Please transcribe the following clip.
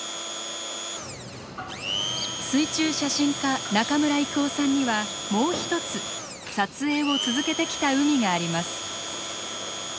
水中写真家中村征夫さんにはもうひとつ撮影を続けてきた海があります。